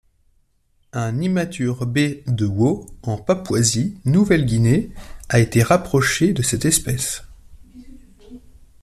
Un immature B de Wau en Papouasie-Nouvelle-Guinée a été rapproché de cette espèce.